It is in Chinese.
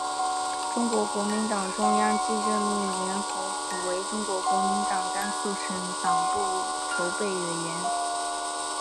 中国国民党中央即任命延国符为中国国民党甘肃省党部筹备委员。